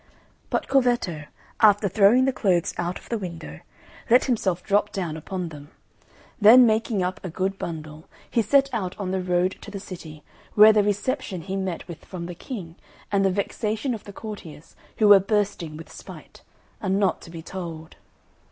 But Corvetto, after throwing the clothes out of the window, let himself drop down upon them. Then making up a good bundle, he set out on the road to the city, where the reception he met with from the King, and the vexation of the courtiers, who were bursting with spite, are not to be told.